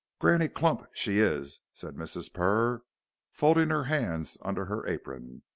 "Granny Clump, she is," said Mrs. Purr, folding her hands under her apron.